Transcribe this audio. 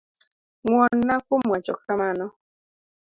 Ngwonna kuom wacho kamano.